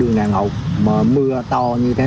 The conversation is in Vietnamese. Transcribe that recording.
cũng bị ngã sạp do mưa lớn gây ra